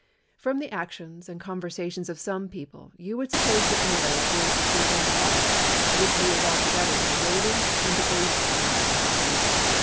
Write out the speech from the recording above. From the actions and conversations of some people you would suppose that marriage was the chief end of life, which view is altogether degrading and debasing in its tendency.